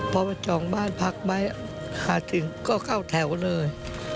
พอไปจองบ้านพักไว้หาถึงก็เข้าแถวเลย